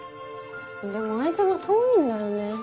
でもあいつが遠いんだよね。